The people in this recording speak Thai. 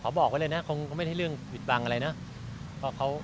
บอกไว้เลยนะคงก็ไม่ได้เรื่องผิดบังอะไรนะ